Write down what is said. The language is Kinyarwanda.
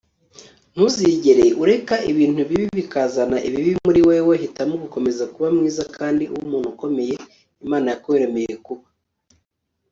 ntuzigere ureka ibintu bibi bikazana ibibi muri wewe. hitamo gukomeza kuba mwiza kandi ube umuntu ukomeye imana yakuremye kuba